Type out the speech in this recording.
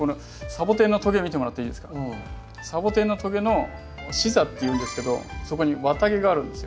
サボテンのトゲの刺座っていうんですけどそこに綿毛があるんですよ。